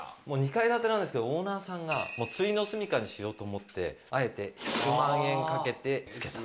２階建てなんですけどオーナーさんがついのすみかにしようと思ってあえて１００万円かけて付けた。